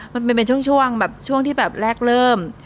มันเป็นช่วงแบบช่วงที่แบบแรกเริ่ม